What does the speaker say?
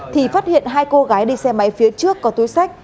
thì phát hiện hai cô gái đi xe máy phía trước có túi sách